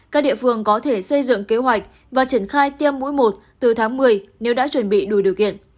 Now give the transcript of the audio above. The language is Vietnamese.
các địa phương có thể xây dựng kế hoạch và triển khai tiêm mũi một từ tháng một mươi nếu đã chuẩn bị đủ điều kiện